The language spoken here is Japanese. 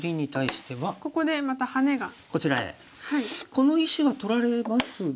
この石は取られますが。